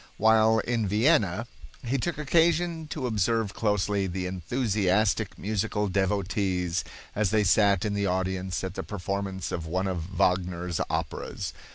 While in Vienna he took occasion to observe closely the enthusiastic musical devotees as they sat in the audience at the performance of one of Wagner's operas.